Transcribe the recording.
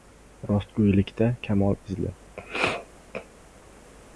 — Rostgo‘ylikda kamol izla.